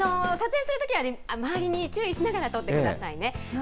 撮影するときは周りに注意しながら撮ってくださいね。